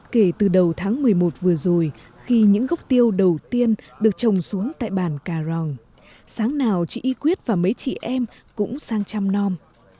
kể từ đầu tháng một mươi một vừa rồi khi những gốc tiêu đầu tiên được trồng xuống tại bản cà ròng sáng nào chị y quyết và mấy chị em cũng sang chăm nom